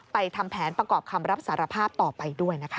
ไปทำแผนประกอบคำรับสารภาพต่อไป